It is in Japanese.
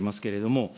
も